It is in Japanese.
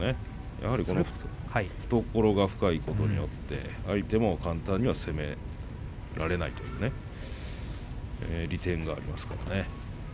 やはり懐が深いことによって相手も簡単には攻められないという利点がありますね。